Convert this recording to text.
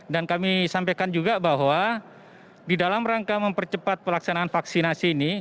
dan kami sampaikan juga bahwa di dalam rangka mempercepat pelaksanaan vaksinasi ini